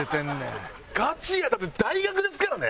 ガチやだって大学ですからね。